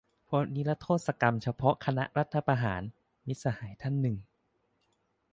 เพราะนิรโทษกรรมเฉพาะคณะรัฐประหาร - มิตรสหายท่านหนึ่ง